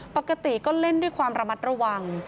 ปกติก็เล่นด้วยความระมัดระวัง